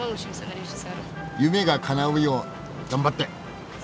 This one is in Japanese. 夢がかなうよう頑張って。